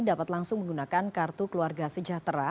dapat langsung menggunakan kartu keluarga sejahtera